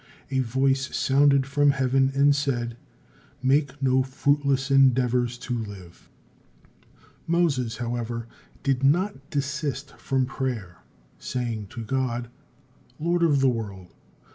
A voice sounded from heaven and said, "Make no fruitless endeavors to live." Moses, however, did not desist from prayer, saying to God: "Lord of the world!